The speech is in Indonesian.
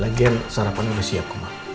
lagian sarapan udah siapku ma